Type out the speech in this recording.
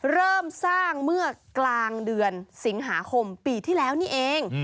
เริ่มสร้างเมื่อกลางเดือนสิงหาคมปีที่แล้วนี่เอง